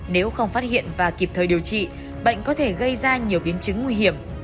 nếu không phát hiện và kịp thời điều trị bệnh có thể gây ra nhiều biến chứng nguy hiểm